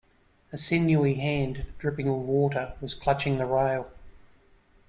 A sinewy hand, dripping with water, was clutching the rail.